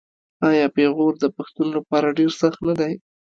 آیا پېغور د پښتون لپاره ډیر سخت نه دی؟